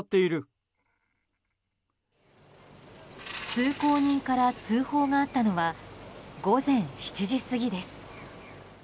通行人から通報があったのは午前７時過ぎです。